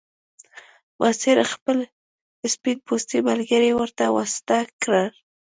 ماسیر خپل سپین پوستی ملګری ورته واسطه کړ.